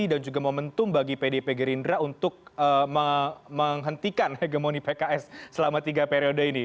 dan juga momentum bagi pdp gerindra untuk menghentikan hegemoni pks selama tiga periode ini